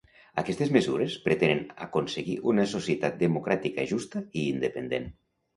Aquestes mesures pretenen aconseguir una societat democràtica, justa i independent.